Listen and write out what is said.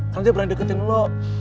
karena dia berani deketin lo